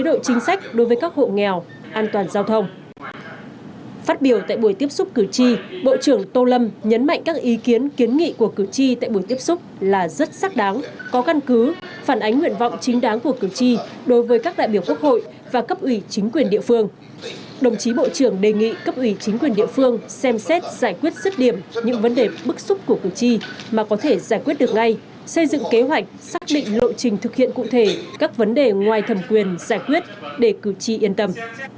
đồng chí bộ trưởng đề nghị cấp ủy chính quyền địa phương xem xét giải quyết rất điểm những vấn đề bức xúc của cử tri mà có thể giải quyết được ngay xây dựng kế hoạch xác định lộ trình thực hiện cụ thể các vấn đề ngoài thầm quyền giải quyết để cử tri yên tâm